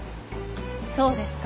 そうですか。